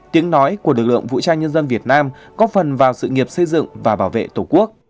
tiếng nói của lực lượng vũ trang nhân dân việt nam có phần vào sự nghiệp xây dựng và bảo vệ tổ quốc